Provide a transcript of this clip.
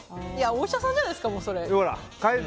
お医者さんじゃないですかそれは。